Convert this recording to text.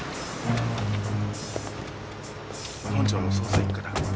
本庁の捜査一課だ。